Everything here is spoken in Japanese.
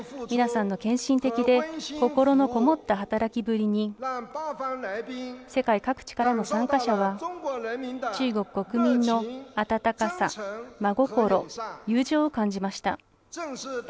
皆さんの献身的で心のこもった働きぶりに世界各地からの参加者は中国国民の温かさ、真心友情を感じました。